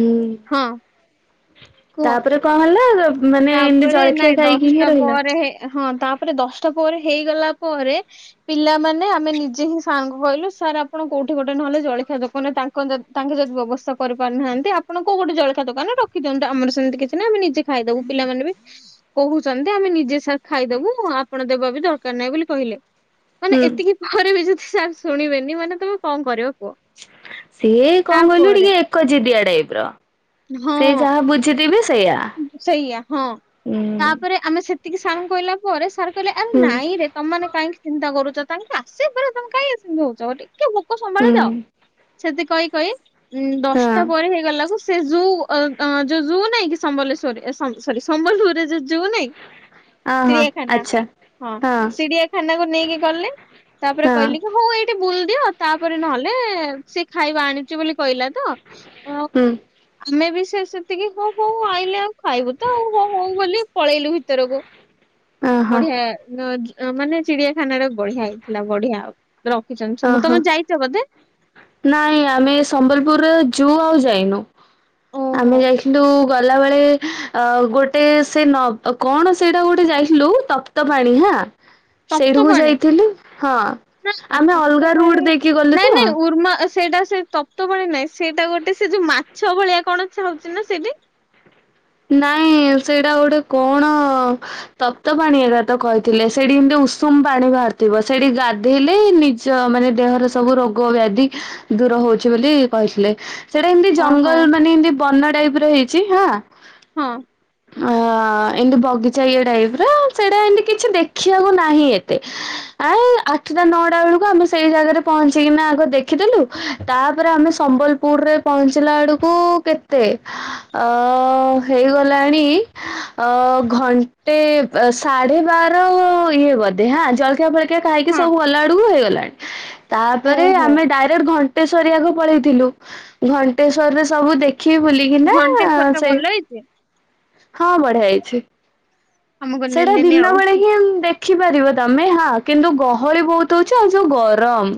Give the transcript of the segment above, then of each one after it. ହୁଁ ହଁ। କୁହ ତା'ପରେ କଣ ହେଲା ଅବ୍ ତା'ପରେ ନାଇଁ, ଦଶଟା ପରେ ହେ, ହଁ ତା'ପରେ ଦଶଟା ପରେ ହେଇଗଲା ପରେ ପିଲାମାନେ ଆମେ ନିଜେ ହିଁ, ସାର୍ ଙ୍କୁ କହିଲୁ, ସାର୍ ଆପଣ କୋଉଠି ଗୋଟେ ନହେଲେ ଜଳିଖଆ ଦୋକାନରେ ତାଙ୍କ ଯଦ୍ ତାଙ୍କେ ଯଦି ବ୍ୟବସ୍ଥା କରିପାରୁନାହାଁନ୍ତି, ଆପଣ କୋଉ ଗୋଟ ଜଖ ଦୋକାନ ରଖିଦିଅନ୍ତୁ? ଆମର ସେମତି କିଛି ନାହିଁ ଆମେ ନିଜେ ଖାଇଦବୁ। ପିଲାମାନେ ବି କହୁଛନ୍ତି, ଆମେ ନିଜେ ସାର୍ ଖାଇଦବୁ ଆପଣ ଦେବା ବି ଦରକାର ନାହିଁ ବୋଲି କହିଲେ। ମାନେ ହୁଁ। ଏତିକି ପରେ ବି ଯଦି ସାର୍ ଶୁଣିବେନି। ମାନେ ତମେ କଣ କରିବ କୁହ? ସିଏ କଣ କହିଲୁ! ତାପରେ ଟିକେ ଏକ ଜିଦିଆ ଟାଇପ୍ ର। ହଁ ସେ ଯାହା ବୁଝିଥିବେ, ସେଇୟା ସେଇଆ ହଁ ହୁଁ। ତାପରେ ଆମେ ସେତିକି ସାର୍ଙ୍କୁ କହିଲା ପରେ ସାର୍ କହିଲେ ଆରେ ହୁଁ ନାଇଁରେ ତମମାନେ କାହିଁକି ଚିନ୍ତା କରୁଛ। ତାଙ୍କେ ଆସେ ପରେ ତମେ କାଇଁ ସିମ୍ ହଉଛ ଗୋଟେ। ଟେ ଭୋକ ହୁଁ ସମ୍ଭାଳିଦଅ। ସେତି କହି କହି ଉଁ ହଁ ଦଶଟା ପରେ ହେଇଗଲା କୁ ସେ ଯୋଉ ଅ-ଅଁ ଯଉ ଜୁ ନାଇଁ କି! ସମ୍ବଲେଶ୍ଵରୀ ସ-ସରୀ ସମ୍ବଲପୁରରେ ଯଉ ଜୁ ନାଇଁ। ଅ ହଁ ଚିଡିଆଖାନା ଆଚ୍ଛା। ହଁ, ସିଡିଆଖାନାକୁ ନେଇକି ଗଲେ, ତା'ପରେ ହଁ କହିଲି କି ହଉ ଏଇ ଟିଏ ବୁଲ୍ ଦିଅ। ତା'ପରେ ନହେଲେ ସିଏ ଖାଇବା ଆଣିଛି ବୋଲି କହିଲା ତ ଅ- ହୁଁ ଆମେ ବି ସେ-ସେତିକି ହଉ ହଉ ଆଇଲେ ଆଉ ଖାଇବୁ ତ ଆଉ। ହଉ ହଉ ବୋଲି ପଳେଇଲୁ ଭିତରକୁ। ହ ବଢିଆ! ଯ ଯ ମାନେ, ଚିଡିଆଖାନାଟା ବଢିଆ ହେଇଥିଲା, ବଢିଆ ଆଉ। ରଖିଛନ୍ତି। ସମୁ ଓହୋ। ତମେ ଯାଇଛ ବଧେ! ନାଇଁ, ଆମେ ସମ୍ବଲପୁରରେ ଯୁ ଆଉ ଯାଇନୁ। ଓହୋ ଆମେ ଯାଇ କିନ୍ତୁ, ଗଲାବେଳେ ଅ ଗୋଟେ ସେ ନ କଣ ସେଇଟା ଗୋଟେ ଯାଇଥିଲୁ? ତ ତପ୍ତପାଣି ହାଁ, ସେଇଠିକୁ ଯାଇଥିଲି। ହଁ ନାଁ ଆମେ ଅଲଗା ରୁଟ ତପ୍ତପାଣି, ଦେଇକି ଗଲୁ ତ ନାଇଁ ନାଇଁ ଉର୍ମା ଅ ସେଇଟା ସେ ତପ୍ତପାଣି ନାଇଁ। ସେଇଟା ଗୋଟେ ସେ ଯୋଉ ମାଛ ଭଳିଆ କଣ ଛାଉଛି ନା ସେଇଠି? ନାଇଁ ସେଇଡ଼ା ଗୋଟେ କଣ? ତପ୍ତପାଣି ଏକା ତ କହିଥିଲେ, ସେଡ଼ି ଏମିତି ଉଷୁମ ପାଣି ବାହାରିଥିବ, ସେଡ଼ି ଗାଧେଇଲେ ନିଜ୍ ଚ ମାନେ ଦେହର ସବୁ ରୋଗ ବ୍ୟାଧି ଦୂର ହଉଛି ବୋଲି କହିଥିଲେ। ସେଇଟା ହେମିତି ଓହୋ ଜଙ୍ଗଲ ମାନେ, ଏମିତି ବନ ଟାଇପ୍ ର ହେଇଛି, ହାଁ। ହଁ। ଆଁ-ଅ। ଅଁ ଏମିତି ବଗିଚା ଇଏ ଟାଇପ୍ ର, ସେଟା ଏମିତି କିଛି ଦେଖିବାକୁ ନାହିଁ ଏତେ। ଆଉ ଆଠଟା ନଅଟା ବେଳକୁ ଆମେ ସେଇ ଜାଗାରେ ପହଞ୍ଚିକିନା, ଆଗ ଦେଖିଦେଲୁ, ତା'ପରେ ଆମେ ସମ୍ବଲ ପୁର୍ ରେ ପହଞ୍ଚିଲା ଅଳକୁ କେତେ? ଅ ଅ-ଅ ହେଇଗଲାଣି ଅ ଘଣ୍ଟେ, ସାଢେ ବାର ଇଏ ବୋଧେ ହାଁ ଜଳଖିଆ ଫଳଖିଆ ଖାଇକି, ସବୁ ଗଲା ଆଡକୁ ହେଇଗଲାଣି। ତା'ପରେ ହଁ ଆମେ ଡ଼ାଏଟ୍ ଘଣ୍ଟେଶ୍ଵରୀ ଆଗ ପଳେଇଥିଲୁ। ଘଣ୍ଟେଶ୍ଵରୀରେ ସବୁ ଦେଖିକି ବୁଲିକିନା-ଆ ଘଣ୍ଟେଶ୍ଵର ଟା ଭଲ ହେଇଛି। ହଁ ବଢିଆ ହେଇଛି ଆମକୁ ସେଟା ନେଲେନି ଦିନ ଆଉ ବେଳେ ହିଁ ଦେଖ ଦେଖିପାରିବ ତମେ ହଁ କିନ୍ତୁ ଗହଳି ବହୁତ ହଉଛି ଆଉ ଯଉ ଗରମ।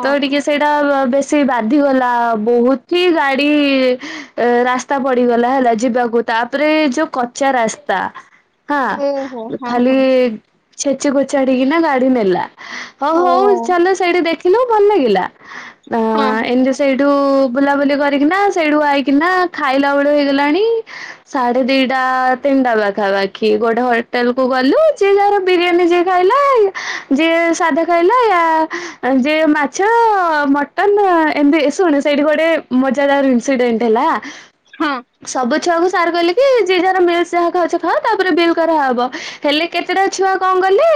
ତ ଟିକେ ସେଇଟା ବେଶୀ ସେ ବାଧି ଗଲା ବହୁତ ହି ଗାଡି ରାସ୍ତା ରାସ୍ତା ପଡିଗଲା ହେଲା ଯିବାକୁ ତାପରେ ଯୋଉ କଚା ରାସ୍ତା। ଓହୋ ହଁ ହଁ ଖାଲି ହଁ ଛେଚି କୋଚାଡିକିନା ଗାଡି ନେଲା। ହଉ ଓ ହଉ ଚାଲ ସେଇଠି ଦେଖିଲୁ ଭଲ ଲାଗିଲା ହଁ ଏମିତି ସେଇଠୁ ବୁଲାବୁଲି କରିକିନା ସେଇଠୁ ଆଇକିନା ଖାଇଲା ବେଳ ହେଇଗଲାଣି ସାଢେ ଦିଟା ତିନିଟା ପାଖାପାଖି ଗୋଟେ ହୋଟେଲ କୁ ଗଲୁ ଯିଏ ଯାହାର ବିରିୟାନୀ ଯିଏ ଖାଇଲା ଯିଏ ସାଧା ଖାଇଲା ୟା ଯିଏ ମାଛ ମ ତ ଏମିତି ଶୁଣ ସେଇଠି ଗୋଟେ ମଜାଦାର ଇନ୍ସିଡେଣ୍ଟ ହେଲା ହଁ ସବୁ ଛୁଆକୁ ସାର କହିଲେ କି ଯିଏ ଯାହାର ମିଲ୍ସ ଯାହା ଖାଉଛି ଖାଅ ତାପରେ ବିଲ୍ କରାହବ ହେଲେ କେତେଟା ଛୁଆ କଣ କଲେ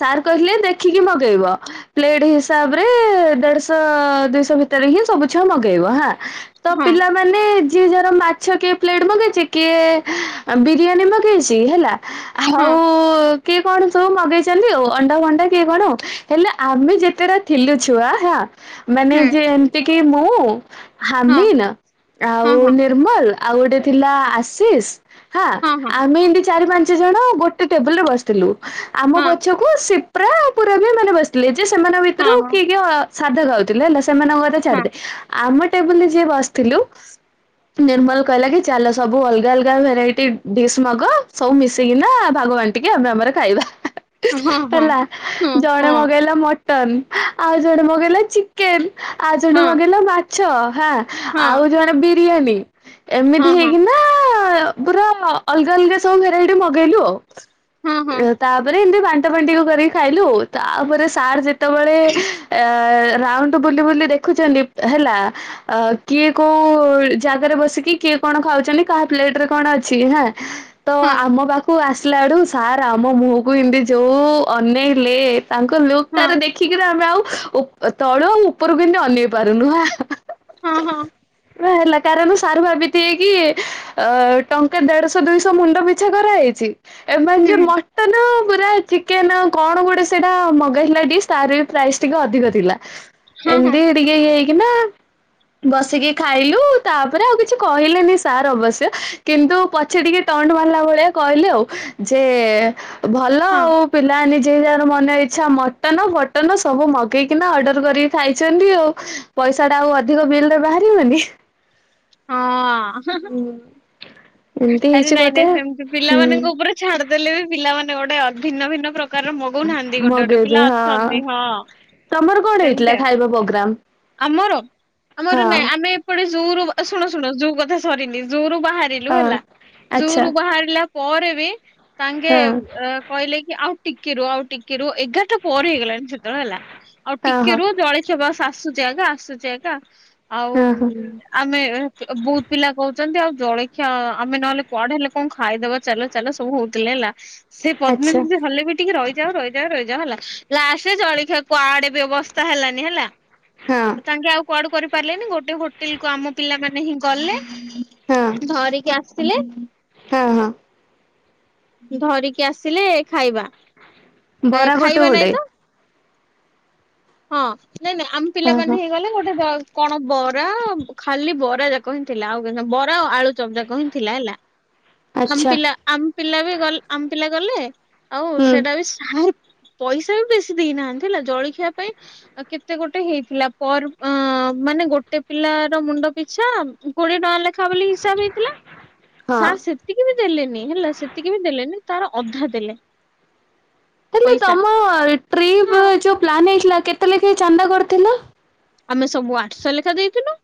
ସାର୍ କହିଲେ ଦେଖିକି ମଗେଇବ। ପ୍ଲେଟ ହିସାବରେ ଦେଢଶହ ଦୁଇଶହ ଭିତରେ ହିଁ ସବୁ ଛୁଆ ମଗେଇବ ହଁ। ତ ହଁ ପିଲାମାନେ ଯିଏ ଯାର ମାଛ କିଏ ପ୍ଲେଟ ମଗେଇଛି କିଏ ବିରିୟାନୀ ମଗେଇଛି ହେଲା ହଁ ଆଉ କିଏ କଣ ସବୁ ମଗେଇଛନ୍ତି ଆଉ ଅଣ୍ଡା ଭଣ୍ଡା କିଏ କଣ ହେଲେ ଆମେ ଯେତେଟା ଥିଲୁ ଛୁଆ ହଁ ମାନେ ହଁ ଯେମିତିକି ମୁଁ ହଁ ହାମିିନ। ହଁ ହଁ ଆଉ ହଁ ନିର୍ମଲ ଆଉ ଗୋଟେ ଥିଲା ଆଶିଷ ହାଁ ହଁ ହଁ ଆମେ ଏମିତି ଚାରି ପାଞ୍ଚ ପାଞ୍ଚ ଜଣ ଗୋଟେ ଟେବୁଲ ରେ ବସିଥିଲୁ ଆମ ପଛକୁ ସିପ୍ରା ଆଉ ପୁରବି ଏଇମାନେ ବସି ଥିଲେ ଯେ ସେମାନଙ୍କ ଭିତରୁ ହଁ ହଁ କିଏ ହଁ କିଏ ସାଧା ଖାଉଥିଲେ ହେଲା ସେମାନଙ୍କ କଥା ଛାଡିଦେ। ଆମ ଟେବୁଲରେ ଯିଏ ବସିଥିଲୁ। ନିର୍ମଲ କହିଲା କି ଚାଲ ସବୁ ଅଲଗା ଅଲଗା ଭେରାଇଟି ଡିସ୍ ମଗାଅ ସବୁ ମିଶିକିନା ଭାଗବାଣ୍ଟି ଟିକେ ଆମେ ଆମର ଖାଇବା ହଁ ହଁ ହେଲା ଜଣେ ହଁ ମଗେଇଲା ମ ମଟନ ଆଉ ଜଣେ ମଗେଇଲା ଚିକେନ ଆଉ ଜଣେ ହଁ ମଗେଇଲା ମାଛ ହାଁ ହଁ ଆଉ ଜଣେ ବିରିୟାନୀ ଏମିତି ହଁ ହେଇକିନା ନା ପୁରା ଅଲଗା ଅଲଗା ସବୁ ଭେରାଇଟି ମଗେଇଲୁ ଆଉ। ହଁ ହଁ ହଁ ହଁ ତାପରେ ଏମିତି ବାଣ୍ଟପେଣ୍ଟିକୁ କରିକି ଖାଇଲୁ ତାପରେ ସାର ଯେତେବେଳେ [inaudible] ଏ ରାଉଣ୍ଡ ବୁଲି ବୁଲି ଦେଖୁଛନ୍ତି ହେଲା କିଏ କୋଉ ଜାଗାରେ ବସିକି କିଏ କଣ ଖାଉଛନ୍ତି କାହା ପ୍ଲେଟ ରେ କଣ ଅଛିଁ ହେଁ ହଁ ଆମ ପାଖକୁ ଆ ଆସିଲା ବେଳୁ ସାର୍ ଆମ ମୁହଁକୁ ଏମିତି ଯେଉଁ ଅନେଇ ଲେ। ତାଙ୍କ ଲୁକ୍ ହଁ ତାର ଦେଖିକିରି ଆମେ ଆଉ ତଳୁ ଆଉ ଉପରକୁ କେମତି ଅନେଇ ପାରୁନୁ। ହଁ ହଁ ବା ହେଲା କାରଣ ସାର ଭାବି ଥିବେକି ଟଙ୍କା ଦେଢଶହ ଦୁଇଶହ ମୁଣ୍ଡ ପିଛା କରାହେଇଛି। ଏମାନ ହୁଁ ଯୋଉ ମ ତ ପୁରା ଚିକେନ କଣ ଗୋଟେ ସେଇଟା ମଗେଇଥିଲା ଟିକ ତାର ବି ପ୍ରାଇସ୍ ଟିକେ ଅଧିକ ଥିଲା। ହଁ ହଁ ଏମତି ଟିକେ ଇଏ ହେଇକି ନା ବସିକି ଖାଇଲୁ। ତାପରେ ଆଉ କିଛି କହିଲେନି ସାର୍ ଅବଶ୍ୟ କିନ୍ତୁ ପଛେ ଟିକେ ତଣ୍ଟ ମାରିଲା ଭଳିଆ କହିଲେ ଆଉ। ଯେ ଭଲ ହଁ ଆଉ। ପିଲା ନିଜେ ଯାର ମନ ଇଚ୍ଛା ମଟନ ଫଟନ ସବୁ ମଗେଇକିନା ଅର୍ଡର କରିକି ଖାଇଛନ୍ତି ଆଉ। ପଇସାଟା ଆଉ ଅଧିକ ବିଲରେ ବାହାରିବନି। ହଁ ହେଁ ହେଁ ଏମିତି ଆରେ ହେଇଛି ନାଇଁ ବୋଧେ ନାଇଁ ସେମତି ହୁଁ ପିଲାମାନଙ୍କ ଉପରେ ଛାଡିଦେଲେ ବି ପିଲାମାନେେ ଗୋଟେ ଭିନ୍ନ ଭିନ୍ନ ପ୍ରକା ପ୍ରକାରର ମଗୁନାହାନ୍ତି ଗୋଟେ ଗୋଟେ ପିଲା ଅଛନ୍ତି ହଁ ତମର କଣ ସେମିତି ହେଇଥିଲା ଆଉ ଖାଇବା ପ୍ରୋଗ୍ରାମ? ଆମର ଆମର ନାଇଁ ହଁ ଆମେ ଏପଟେ ଯୋଉରୁ ଶୁଣୁ ଶୁଣୁ ଯୋଉ କଥା ସରିନି ଜୁ ରୁ ବାହାର ହଁ ହେଲା ଆଚ୍ଛା ଜୁରୁ ବାହାରିଲା ପରେ ବି ତାଙ୍କେ ହଁ କହିଲେ କି ଆଉ ଟିକେ ରୁହ ଆଉ ଟିକେ ରୁହ। ଏଗାରଟା ପରେ ହେଇଗଲାଣି ସେତେବେଳେ ହେଲା ଆଉ ହଁ ଟିକେ ହଁ ର ଜଳେ ଆ ବସ ଆସୁଛି ଏକା ଆସୁଛି ଏକା। ଆଉ ହଁ ହଁ ଆମେ ବହୁତ ପିଲା କହୁଛନ୍ତି ଆଉ ଜଳଖିଆ ଆମେ ନହେଲେ କୁଆଡେ ହେଲେ କଣ ଖାଇଦବା ଚାଲ ଚାଲ ସବୁ ହଉଥିଲେ ହେଲା ସେ ପଦ୍ମିନ ଆଚ୍ଛା ଦି ହେଲେ ବି ଟିକେ ରହିଯାଉ ରହିଯାଉ ରହିଯାଉ ହେଲା। ଲାଷ୍ଟରେ ଜଳଖିଆ କୁଆଡେ ବି ଅବସ୍ଥା ହେଲାନି ହେଲା। ହଁ ଆେ ଆଉ କୁଆଡେ କରିପାରିଲେନି ଗୋଟେ ହୋଟେଲ କୁ ଆମ ପିଲାମାନୋନ ହିଁ ଗଲେ ହଁ ଧରିକି ଆସିଲେ ହଁ ହଁ ଧରିକି ଆସିଲେ ଖାଇବା। ବରା ଗୋଟେ ଖାଇବା ଗୋଟେ ନାଇଁ ତ ହଁ ନାଇଁ ନାଇଁ ଆମ ହଁ ପିଲାମାନେ ହଁ ହେଇଗଲେ ଗୋଟେ କଣ ବରା ଖାଲି ବରା ଯାକ ହିଁ ଥିଲା। ଆଉ କେ ବରା ଆଉ ଆଳୁ ଚାପ ଯାକ ହି ଥିଲା ହେଲା ଆମ ଆଚ୍ଛା ପିଲା ଆମ ପିଲା ବି ଗ ଆମ ପିଲା ଗଲେ ଆଉ ହୁଁ ସେଟା ବି ଆ ପଇସା ବି ବେଶୀ ଦେଇନାହାନ୍ତି। ହେଲା ଜଳଖିଆ ପାଇଁ କେତେ ଗୋଟେ ହେଇଥିଲା। ପର ମାନେ ଗୋଟେ ପିଲାର ମୁଣ୍ଡ ପିଛା କୋଡିଏ ଟଙ୍କା ଲେ ଖା ବୋଲି ହିସାବ ହେଇଥିଲା। ହଁ। ସାର୍ ସେ ସେତିକି ବି ଦେଲେନି ହେଲା ସେତିକି ବି ଦେଲେନି ତାର ଅଧା ଦେଲେ। ହେଲେ ପଇସା ତମ ଟ୍ରିପ ଯୋଉ ପ୍ଲାନ୍ ହେଇଥିଲା କେତେ ଲେଖା ଚାନ୍ଦା କରିଥିଲ? ଆମେ ସବୁ ଆଠଶହ ଲେଖା ଦେଇଥିଲୁ।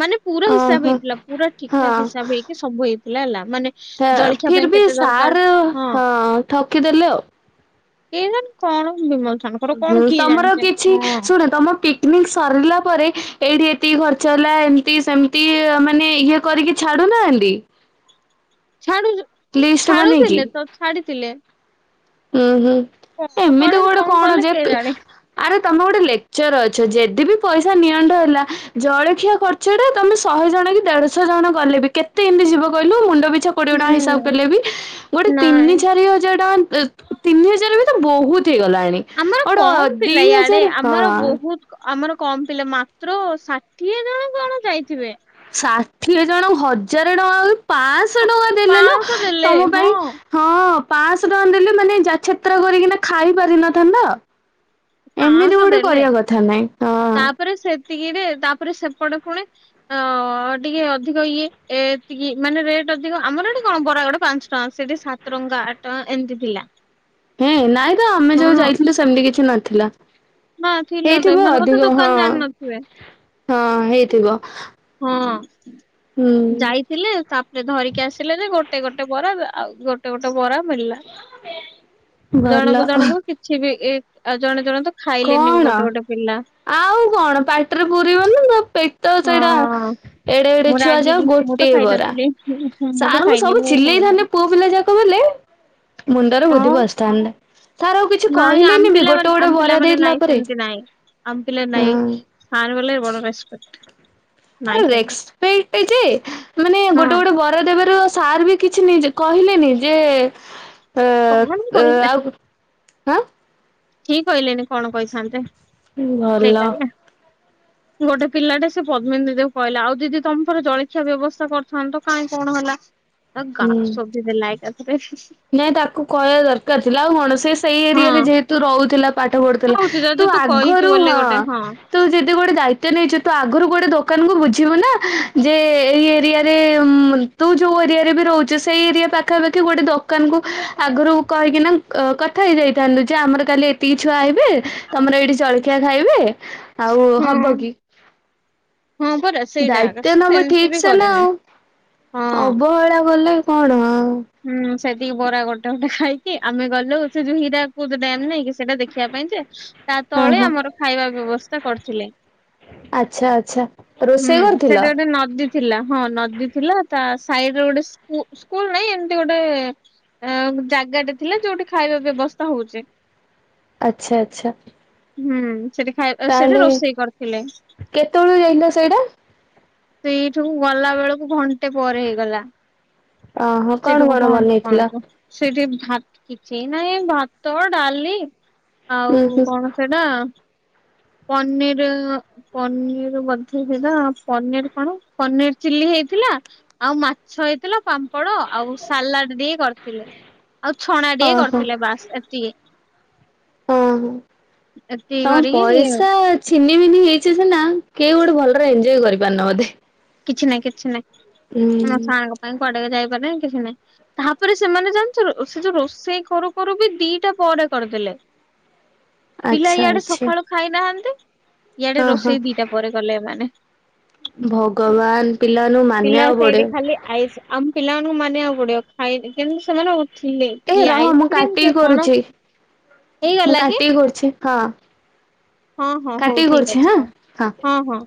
ମାନେ ପୁରା ହିସାବ ଓହୋ ହେଇଥିଲା ପୁରା ଠିକ ହଁ ଠାକ୍ ହିସାବ ହେଇକି ସବୁ ହେଇଥିଲା। ହେଲା ମାନେ ଜଳଖିଆ ପାଇଁ ଫିର ବି କେତେ ଦରକାର ସାର ହଁ ଠକିଦେଲେ ଆଉ। ଏଇ ଜଣ କଣ ବିମ୍ ହଁ ତମର କିଛି ଶୁଣ ତମ ପିକନିକ ସରିଲା ପରେ ଏଇଠି ଏତିକି ଖର୍ଚ୍ଚ ହେଲା ଏମିତି ସେମିତି ମାନେ ଇଏ କରିକି ଛାଡୁନାହାନ୍ତି? ଛାଡୁ ଲିଷ୍ଟ ବନେଇକି। ଛାଡୁଥିଲେ ତ ଛାଡିଥିଲେ। ଉଁ ହୁଁ କଣ ଏମିତି କୁଆଡେ ଗୋଟେ କଣ କଲେ ଯେ? କେଜାଣି ଆରେ ତମ ଗୋଟେ ଲେକ୍ଚର ଅଛ ଯଦି ବିି ପଇସା ନିଅଣ୍ଟ ହେଲା ଜଳଖିଆ ଖଚ ସେଟା ତମେ ଶହେ ଜଣ କି ଦେଢଶହ ଜଣ ଗଲେ ବି କେତେ ଏମିତି ଯିବ କହିଲୁ ମୁଣ୍ଡ ପିଛା କୋଡିଏ ଟଙ୍କା ହିସାବ ହୁଁ କଲେ ବି? ଗୋଟେ ନାଇଁ ତିନି ଚାରି ହାଜର ଟଙ୍କା ତିନି ହଜାର ବି ତ ବହୁତ ହେଇଗଲାଣି। ଆମର ଗୋଟେ କମ ଦି ପିଲଥିଲା ଇାଆଡେ ହଜାର ଆମର ହଁ ବହୁତ ଆମର କମ ପିଲା ମାତ୍ର ଷାଠିଏ ଜଣ କଣ ଯାଇଥିବେ। ଷାଠିଏ ଜଣ ହଜାର ଟଙ୍କାଉ ହଁ, ପାଞ୍ଚଶହ ଟଙ୍କା ଦେଲେ ଲ ପାଁଶହ ଦେଲେ ତମ ହଁ ପାଇଁ ହଁ ପାଞ୍ଚଶହ ଟଙ୍କା ଦେଲେ ମାନେ ଯାଛେତ୍ର କରିକିନା ଖାଇ ପାରିନଥାନ୍ତ ଏମିତି ପାଁଶହ ଗୋଟେ ଦେଲେ କରିବା କଥା ନାଇଁ ହଁ ତାପରେ ସେତିକିରେ ତାପରେ ସେପଟେ ପୁଣି ଅ ଟିକେ ଅଧିକ ଇଏ ଏତିକି ମାନେ ରେଟ ଅଧିକ ଆମର ଏଟେ କଣ ବରାଗଡେ ପାଞ୍ଚ ହ ସେଠି ସାତ ଟଙ୍କା ଆଠ ଟଙ୍କା ଏମିତି ଥିଲା। ହେଁ ନାଇଁ ତ ଆମେ ଯୋଉ ଯାଇଥିଲୁ ସେମିତି କିଛି ନଥିଲା। ନାଁ ଥିଲା ତ ହେଇଥିବ ଏମାନେ ବୋଧେ ଅଧିକ ହଁ ଦୋକାନ ଜାଣିନଥିବେ। ହଁ ହେଇଥିବ। ହଁ ହୁଁ। ଯାଇଥିଲେ। ତାପରେ ଧରିକି ଆସିଲେ ଯେ ଗୋଟେ ଗୋଟେ ବରା ଆଉ ଗୋଟେ ଗୋଟେ ବରା ମିଳିଲା। ଭଲ ଜଣ କୁ ଜଣକୁ କିଛି ବି ଏ ଆଉ ଜଣେ ଜଣ ତ ଖାଇଲେନି କଣ? ଗୋଟେ ଗୋଟେ ପିଲା। ଆଉ କଣ ପାଟିରେ ପୁରିବନି ତ ପେ ତ ସେଇଟା ହଁ। ଏଡେ ଏଡେ ମୁଁ ଛୁଆ ରାଗିକି ଯାଉ ମୁଁ ତ ଗୋଟିଏ ବରା। ଖାଇନଥିଲି ମୁଁ ତ ସାର୍ ଙ୍କୁ ଖାଇନି ସବୁ ମୁଁ ଚିଲେଇଥାନ୍ତେ କହିଦେଲି। ପୁଅ ପିଲା ଯାକ ବୋଲେ। ମୁଣ୍ଡାର ବୁଦ୍ଧି ହଁ ପସିଥାନ୍ତା। ସାର୍ ଆଉ କିଛି ନାଇଁ ଆମ କହିଲେନି ବି ଗୋଟେ ପିଲାମାନେ ଗୋଟେ ଆମ ବରା ପିଲାମାନେ ଦେଇଥିଲା ନାଇଁ ପରେ। ସେମିତି ନାଇଁ ଆମ ପିଲା ନାଇଁ। ସଣ ଗଲେ ବଡ ସ କର ତାର [inaudible] ଯେ ମାନେ ହଁ ଗୋଟେ ଗୋଟେ ବ ଦେବ ସାର୍ ବି କିଛି ନି କହିଲେନି ଯେ ଅ କଣ ଅ କହିବେ। ଆଉ ହଁ। କି କହିଲେନି କଣ କହିଥାନ୍ତେ ଭଲ [inaudible] ଗୋଟେ ପିଲାଟେ ସେ ପଦ୍ମିନୀ ଦିଦି କୁ କହିଲା ଆଉ ଯଦି ତମର ଜଳଖିଆ ବ୍ୟବସ୍ଥା କରିଥାନ୍ତ ତ କାହିଁ କଣ ହେଲା। ତ ଗାଁ ହୁଁ। ସବଜି ଦେଲା ଏକାଥରକେ। ନାଇଁ ତାକୁ କହିବା ଦରକାର ଥିଲା ଆଉ କଣ ସେ ସେଇ ଏରିଆ ହଁ ରେ ଯେହେତୁ ରହୁଥିଲା। ପାଠ ପଢୁଥିଲା ହଉଛି ତୁ ଯଦି କହିଛୁ ଆଗରୁ ବୋଲେ ହଁ। ଗୋଟେ ତୁ ଯଦି ଗୋଟେ ଦାୟିତଵ ନେଇଛୁ ତୁ ଆଗରୁ ଗୋଟେ ଦୋକାନ କ ବୁଝିବୁ ନା ଯେ ଏଇ ଏରିଆରେ ଉଁ ମ୍ ତୁ ଯୋଉ ଏରିଆରେ ବି ରହୁଛୁ ସେଇ ଏରିଆ ପାଖାପଖି ଗୋଟେ ଦ ଦୋକାନ କ ଆଗରୁ କହିକିନା କଥା ହେଇଯାଇଥାନ୍ତୁ ଯେ ଆମର କାଲି ଏତିକି ଛୁଆ ହେଇବେ। ତମର ଏଇଠି ଚଳଖିଆ ଖାଇବେ ଆଉ ହଁ ହବ କି? ହଁ ପରା। ସେଇଟା ଦାୟିତ୍ଵ ସେ ନବ ସେମିତି ଠିକ ବି ସେ ନା କରେନି ଆଉ ହଁ। ଅବହେଳା ବଲେ କଣ ଆଉ ହୁଁ ସେଠକି ବରା ଗୋଟେ ଗୋଟେ ଖାଇକି ଆମେ ଗଲୁ ସେ ଯୋଉଁ ହୀରାକୁଦୁ ଡମ୍ ନାଇଁକି ସେଇଟା ଦେଖିବା ପାଇଁ ଯେ। ତା ହଁ ତଳେ ହଁ ଆମର ଖାଇବା ବ୍ୟବସ୍ଥା କରିଥିଲେ। ଆଚ୍ଛା ଆଚ୍ଛା ହୁଁ ରୋଷେଇ ସେଟା କରିଥିଲ? ଗୋଟେ ନଦୀ ଥିଲା ହଁ ନଦୀ ଥିଲା ତା ସାଇଡରେ ଗୋଟେ ସ୍କୁଲ ନାଇଁ ଏମିତି ଗୋଟେ ଅ ଜାଗାଟେ ଥିଲା ଯୋଉଠି ଖାଇବା ବ୍ୟବସ୍ଥା ହଉଚି। ଆଚ୍ଛା ଆଚ୍ଛା। ହୁଁ ସେଠି ଖାଇ ସେଠି ରୋଷେଇ କରିଥିଲେ। କେତେବେଳକୁ ଯାଇଥିଲ ସେଇଟା? ସେଇଠୁ ଗଲା ବେଳକୁ ଘଣ୍ଟେ ପରେ ହେଇଗଲା। ଓହୋ କଣ ସେଇଠକୁ କଣ ପହଞ୍ଚୁ ବନେଇଥିଲ? ପହଞ୍ଚୁ। ସେଠି ଭାତ କିଛି ନାଇଁ ଭାତ ଡାଲି ଉୁଁ ଆଉ ହୁଁ କଣ ସେଟା ପନିର୍ ଅ ପନିର ବଧ ସେଧ ପନିର କଣ ପନିର ଚିଲ୍ଲି ହେଇଥିଲା। ଆଉ ମାଛ ହେଇଥିଲା। ପାମ୍ପଡ଼, ଆଉ ସାଲାଡ ଟିକେ କରିଥିଲି ଆଉ ଛଣା ଟେ ଓହୋ ହଁ କରିଥିଲି ବାସ୍ ଏତିି କି। ଅଁ, ହଁ ଏତିକି ତୋମ କରିକି ପଇସା ଛିନି ମିନି ହେଇଛି ସିନା କେହି ଗୋଟେ ଭଲରେ ଏନଞ୍ଜୟ୍ କରିପାରିନ ବୋଧେ? କିଛି ନାଇଁ କିଛି ନାଇ ହୁଁ ମୋ ସାଙ୍ଗ ପାଇଁ କୁଆଡେ ଯାଇପାରିଲିନି କିଛି ନାଇ। ତାହା ପରେ ସେମାନେ ଜାଣିଛ ରୋ-ସେ ଯୋଉ ରୋଷେଇ କରୁ କରୁ ବି ଦିଟା ପରେ କରିଦେଲେ। ପିଲା ଆଚ୍ଛା ଇଆଡେ ଆଚ୍ଛା ସକାଳୁ ଖାଇନାହାନ୍ତି, ଇଆଡେ ହଁ ହଁ। ରୋଷେଇ ଦିଟା ପରେ କଲେ ଏମାନେ। ଭଗବାନ ପିଲା ମାନଙ୍କୁ ମା ପିଲା ସେଇଠି ଖାଲି ଆଇସ୍ ଆମ ପିଲାମାନଙ୍କୁ ମାନିବାକୁ ପଡିବ ଖାଇ କିନ୍ତୁ ସେମାନେ ଉଠିଲେ ଏ କି ରହ ମୁଁ ଆଇସ୍କ୍ରିମ କାଟିକି କି କଣ କରୁଛି। ମୁଁ ହେଇଗଲା କି କାଟିକି କରୁଛି ହଁ। ହଁ, ହଁ ହଉ କାଟିକି ଠିକ କରୁଛି ଅଛି ହାଁ କର ହଁ, ହଁ।